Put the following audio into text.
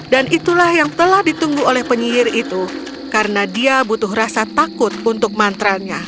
dan itulah yang telah ditunggu oleh penyihir itu karena dia butuh rasa takut untuk mantranya